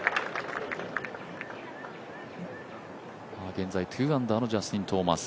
現在、２アンダーのジャスティン・トーマス。